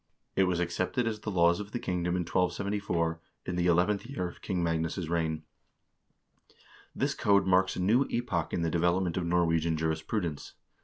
It was accepted as the laws of the kingdom in 1274, in the eleventh year of King Magnus' reign. This code marks a new epoch in the development of Norwegian jurisprudence.